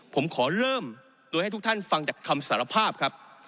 ผมขอเริ่มโดยให้ทุกท่านฟังจากคำสารภาพครับ